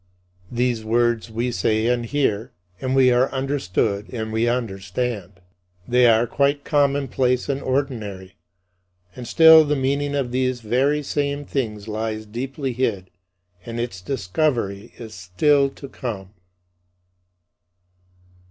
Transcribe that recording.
These words we say and hear, and we are understood and we understand. They are quite commonplace and ordinary, and still the meaning of these very same things lies deeply hid and its discovery is still to come.